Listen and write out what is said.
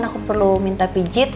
aku perlu minta pijit